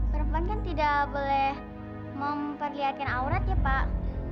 perempuan kan tidak boleh memperlihatkan aurat ya pak